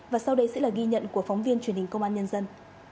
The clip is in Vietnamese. và sau đây sẽ là ghi nhận của phóng viên truyền hình công an nhân dân